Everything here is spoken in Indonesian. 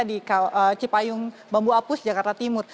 di cipayung bambu apus jakarta timur